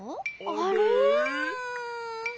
あれ？